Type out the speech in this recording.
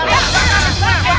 pak pak jangan pak